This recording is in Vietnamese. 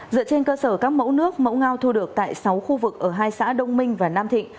dựa trên cơ sở các mẫu nước mẫu ngao thu được tại sáu khu vực ở hai xã đông minh và nam thịnh